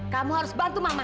kamu harus bantu mama